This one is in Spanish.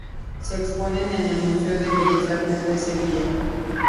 Se expone en el Museo de Bellas Artes de Sevilla.